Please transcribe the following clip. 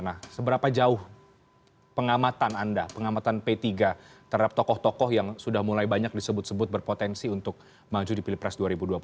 nah seberapa jauh pengamatan anda pengamatan p tiga terhadap tokoh tokoh yang sudah mulai banyak disebut sebut berpotensi untuk maju di pilpres dua ribu dua puluh empat